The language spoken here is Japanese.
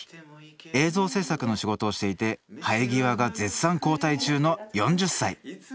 映像制作の仕事をしていて生え際が絶賛後退中の４０歳！